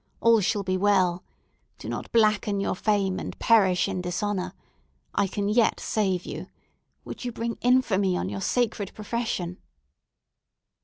All shall be well! Do not blacken your fame, and perish in dishonour! I can yet save you! Would you bring infamy on your sacred profession?"